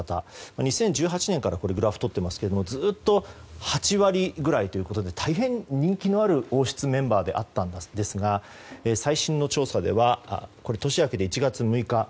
２０１８年からこのグラフとっていますがずっと８割ぐらいということで大変、人気のある王室メンバーだったんですが最新の調査ではこれは年明けて１月６日